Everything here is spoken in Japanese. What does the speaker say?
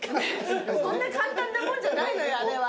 そんな簡単なもんじゃないのよあれは。